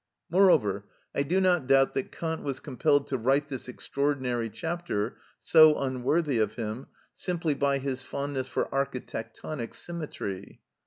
Moreover, I do not doubt that Kant was compelled to write this extraordinary chapter, so unworthy of him, simply by his fondness for architectonic symmetry.